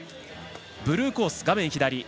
ブルーコース